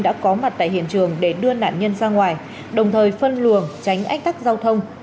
đã có mặt tại hiện trường để đưa nạn nhân ra ngoài đồng thời phân luồng tránh ách tắc giao thông